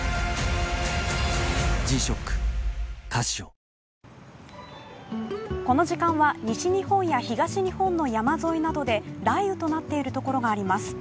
東芝この時間は西日本や東日本の山沿いなどで雷雨となっている所があります。